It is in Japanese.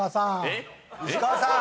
石川さーん。